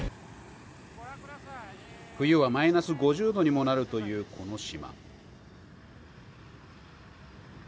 冬はマイナス５０度にもなるというこの島。